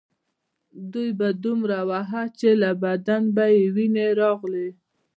دوی به دومره واهه چې له بدن به یې وینې راغلې